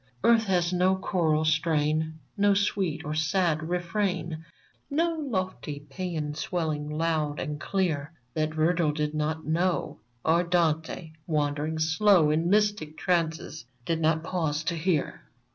Earth has no choral strain, No sweet or sad refrain, No lofty paean swelling loud and clear, That Virgil did not know, Or Dante, wandering slow In mystic trances, did not pause to hear